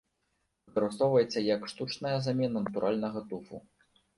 Выкарыстоўваецца як штучная замена натуральнага туфу.